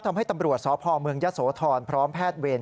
ทำให้ตำรวจสพเมืองยะโสธรพร้อมแพทย์เวร